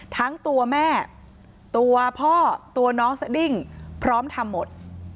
ทั้งตัวแม่ตัวพ่อตัวน้องสดิ้งพร้อมทำหมด